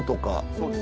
そうです。